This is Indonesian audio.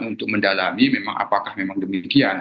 untuk mendalami memang apakah memang demikian